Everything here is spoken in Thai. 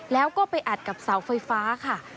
แล้วก็ไปอัดกับเสาไฟฟ้าค่ะ